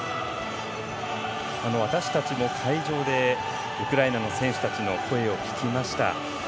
私たちも会場でウクライナの選手たちの声を聞きました。